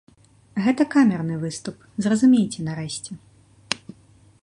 Гэта камерны выступ, зразумейце нарэшце.